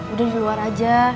udah di luar aja